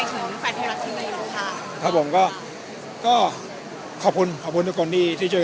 สวัสดีครับขออนุญาตถ้าใครถึงแฟนทีลักษณ์ที่เกิดอยู่แล้วค่ะ